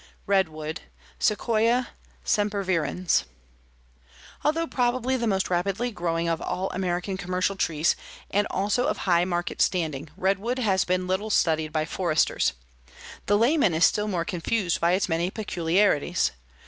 REDWOOD (Sequoia sempervirens) Although probably the most rapid growing of all American commercial trees and also of high market standing, redwood has been little studied by foresters. The layman is still more confused by its many peculiarities.